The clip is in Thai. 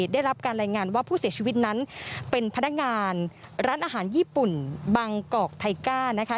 ได้รับการรายงานว่าผู้เสียชีวิตนั้นเป็นพนักงานร้านอาหารญี่ปุ่นบางกอกไทก้านะคะ